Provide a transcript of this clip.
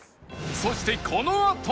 そしてこのあと！